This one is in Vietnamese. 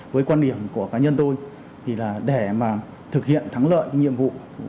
với quan điểm của cá nhân tôi thì là để mà thực hiện thắng lợi cái nhiệm vụ